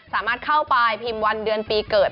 สามารถเข้าไปพิมพ์วันเดือนปีเกิด